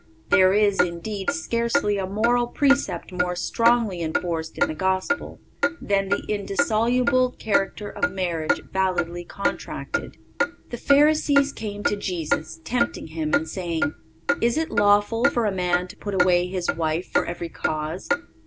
There is, indeed, scarcely a moral precept more strongly enforced in the Gospel than the indissoluble character of marriage validly contracted. "The Pharisees came to Jesus, tempting Him and saying: Is it lawful for a man to put away his wife for every cause?